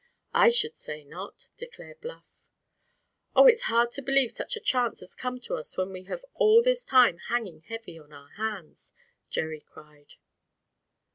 "I should say not!" declared Bluff. "Oh, it's hard to believe such a chance has come to us just when we have all this time hanging heavy on our hands!" Jerry cried.